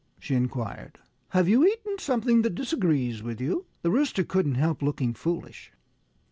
she inquired. "Have you eaten something that disagrees with you?" The Rooster couldn't help looking foolish.